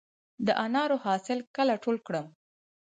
د انارو حاصل کله ټول کړم؟